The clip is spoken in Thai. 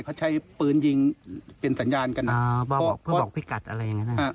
เขาใช้ปืนยิงเป็นสัญญาณกันเพื่อบอกพี่กัดอะไรอย่างนั้น